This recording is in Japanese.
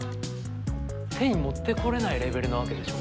手に持ってこれないレベルなわけでしょ。